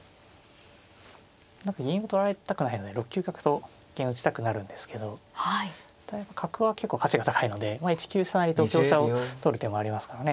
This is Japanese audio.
銀を取られたくないので６九角と一見打ちたくなるんですけどだいぶ角は結構価値が高いので１九飛車成と香車を取る手もありますからね。